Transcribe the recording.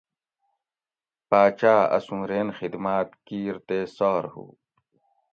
باچاۤ اسوں رین خدماۤت کیر تے سار ہُو